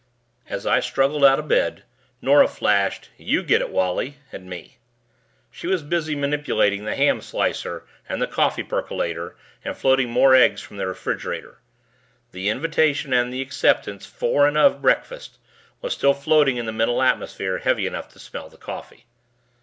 As I struggled out of bed, Nora flashed, "You get it, Wally," at me. She was busy manipulating the ham slicer and the coffee percolator and floating more eggs from the refrigerator. The invitation and the acceptance for and of breakfast was still floating in the mental atmosphere heavy enough to smell the coffee.